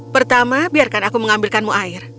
pertama biarkan aku mengambilkanmu air